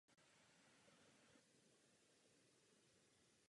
Pravda o euru je docela jiná.